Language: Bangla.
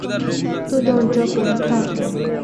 তো দরজা কোনটা?